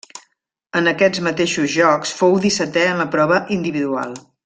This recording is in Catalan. En aquests mateixos Jocs fou dissetè en la prova individual.